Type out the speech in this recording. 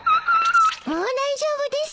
もう大丈夫です。